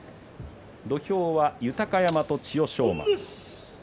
土俵は豊山と千代翔馬。